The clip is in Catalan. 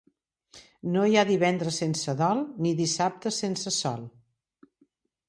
No hi ha divendres sense dol ni dissabte sense sol.